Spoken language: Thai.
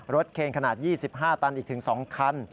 เคนขนาด๒๕ตันอีกถึง๒คัน